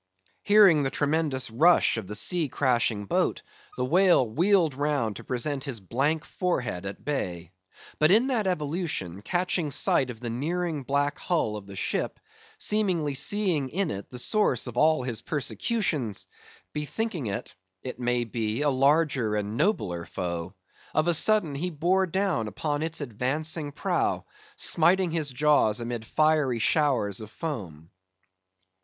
Hearing the tremendous rush of the sea crashing boat, the whale wheeled round to present his blank forehead at bay; but in that evolution, catching sight of the nearing black hull of the ship; seemingly seeing in it the source of all his persecutions; bethinking it—it may be—a larger and nobler foe; of a sudden, he bore down upon its advancing prow, smiting his jaws amid fiery showers of foam.